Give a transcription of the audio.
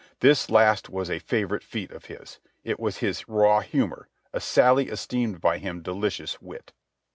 This last was a favourite feat of his. It was his raw humour, a sally esteemed by him delicious wit.